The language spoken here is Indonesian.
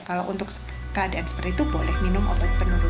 kalau untuk keadaan seperti itu boleh minum obat penurun